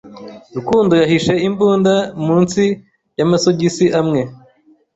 Rukundo yahishe imbunda munsi yamasogisi amwe.